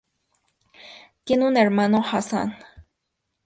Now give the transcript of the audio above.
Tiene un hermano, Hasán.